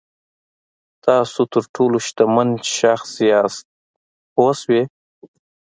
تاسو تر ټولو شتمن شخص یاست پوه شوې!.